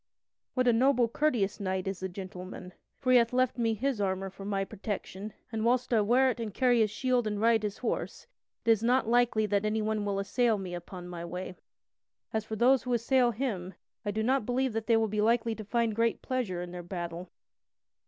what a noble, courteous knight is the gentleman. For he hath left me his armor for my protection, and whilst I wear it and carry his shield and ride his horse, it is not likely that anyone will assail me upon my way. As for those who assail him, I do not believe that they will be likely to find great pleasure in their battle."